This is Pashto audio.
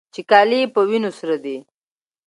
چې کالي يې په وينو سره دي.